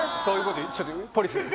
ちょっとポリス。